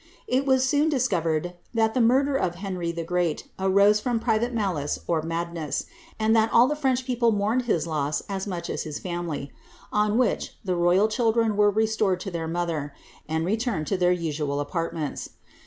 It was soon discovered that the murder of Henry the Great arose from private malice or madness, and that all the French people mourned his loss as much as his family ; on which the royal children were restored to their mother, and returned to their usual apart ments.